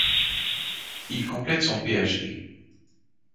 Il complète son Ph.D.